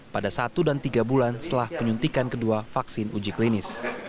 pada satu dan tiga bulan setelah penyuntikan kedua vaksin uji klinis